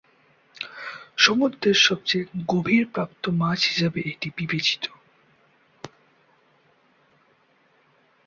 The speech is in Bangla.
সমুদ্রের সবচেয়ে গভীর প্রাপ্ত মাছ হিসেবে এটি বিবেচিত।